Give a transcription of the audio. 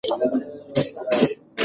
ګیله من له خپل څښتنه له انسان سو